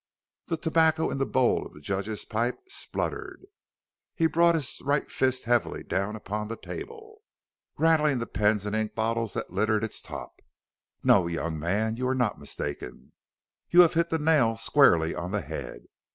The tobacco in the bowl of the judge's pipe spluttered; he brought his right fist heavily down upon the table, rattling the pens and ink bottles that littered its top. "No, young man; you are not mistaken you have hit the nail squarely on the head.